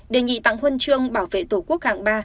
đề nghị tặng huân trương bảo vệ thuộc quốc hạng ba